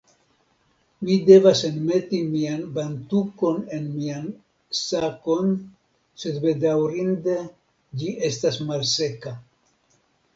Mi devas enmeti mian bantukon en mian sakon sed bedaŭrinde ĝi estas malseka